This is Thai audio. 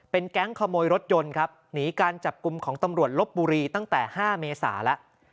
แก๊งขโมยรถยนต์ครับหนีการจับกลุ่มของตำรวจลบบุรีตั้งแต่๕เมษาแล้ว